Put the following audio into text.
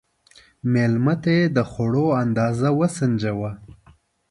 مېلمه ته د خوړو اندازه وسنجوه.